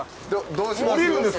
どうします？